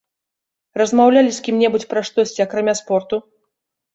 Размаўлялі з кім-небудзь пра штосьці, акрамя спорту?